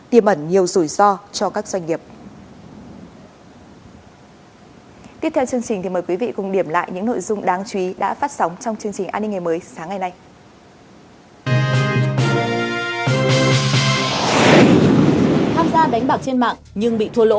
tiêm ẩn nhiều rủi ro cho các doanh nghiệp